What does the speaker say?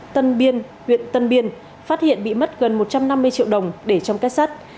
tân biên huyện tân biên phát hiện bị mất gần một trăm năm mươi triệu đồng để trong kết sắt